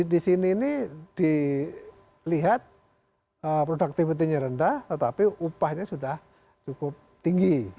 di sini ini dilihat produktivity nya rendah tetapi upahnya sudah cukup tinggi